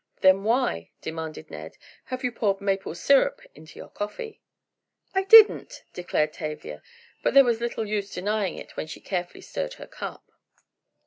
"Then why," demanded Ned, "have you poured maple syrup into your coffee?" "I didn't!" declared Tavia, but there was little use denying it when she carefully stirred her cup.